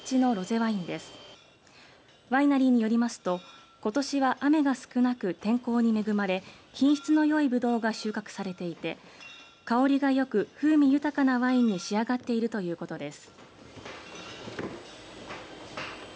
ワイナリーによりますとことしは雨が少なく天候に恵まれ品質のよいぶどうが収穫されていて香りがよく、風味豊かなワインに仕上がっているということです。